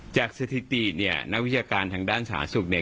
จากสถิติเนี่ยนักวิทยาการทางด้านสหสุทธิ์เนี่ย